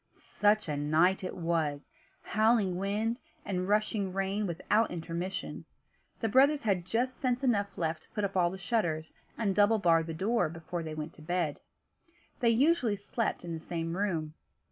Such a night as it was! Howling wind, and rushing rain, without intermission. The brothers had just sense enough left to put up all the shutters, and double bar the door, before they went to bed. They usually slept in the same room.